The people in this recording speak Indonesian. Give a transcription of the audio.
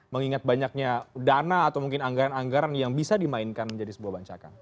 mengingat banyaknya dana atau mungkin anggaran anggaran yang bisa dimainkan menjadi sebuah bancakan